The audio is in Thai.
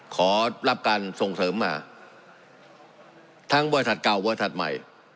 ขอรับการส่งเสริมมาทั้งบริษัทเก่าบริษัทใหม่